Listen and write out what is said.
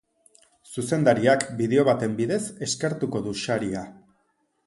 Zuzendariak bideo baten bidez eskertu du saria.